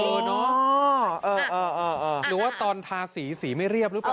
อ๋อเออเออเออเออหรือว่าตอนทาสีสีไม่เรียบหรือเปล่า